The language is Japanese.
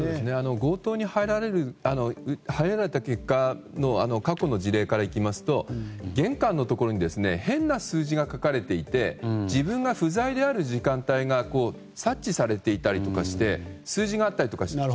強盗に入られた結果の過去の事例からいきますと玄関のところに変な数字が書かれていて自分が不在である時間帯が察知されていたりして数字があったりすると。